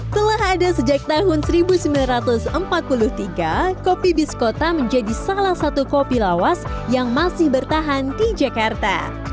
telah ada sejak tahun seribu sembilan ratus empat puluh tiga kopi biskota menjadi salah satu kopi lawas yang masih bertahan di jakarta